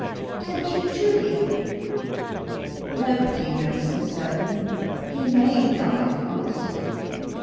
"Don't you truly?" "Nobody knows for certain. He may die, of course."